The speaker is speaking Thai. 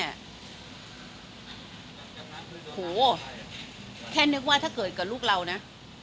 ในฐานะหัวออกคนเป็นแม่โหแค่นึกว่าถ้าเกิดกับลูกเราน่ะ